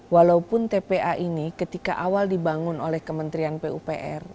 walaupun tpa ini ketika awal dibangun oleh kementerian pupr